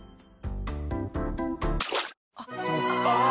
ああ！